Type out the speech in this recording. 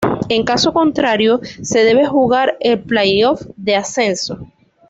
En caso contrario se debe jugar el Playoff de ascenso.